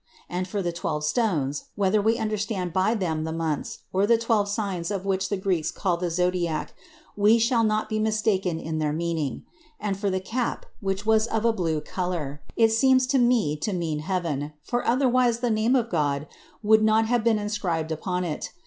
And for the twelve stones, whether we understand by them the months, or the twelve signs of what the Greeks call the zodiac, we shall not be mistaken in their meaning. And for the cap, which was of a blue color, it seems to me to mean heaven, for otherwise the name of God would not have been inscribed upon it.